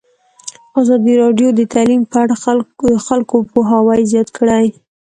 ازادي راډیو د تعلیم په اړه د خلکو پوهاوی زیات کړی.